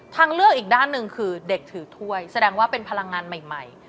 ทางเลือกอีกด้านหนึ่งคือเด็กถือถ้วยแสดงว่าเป็นพลังงานใหม่